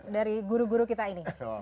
dari guru guru kita ini